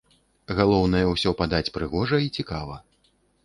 Галоўнае, усё падаць прыгожа і цікава.